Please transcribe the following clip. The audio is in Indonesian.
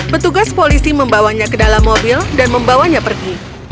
petugas polisi membawanya ke dalam mobil dan membawanya pergi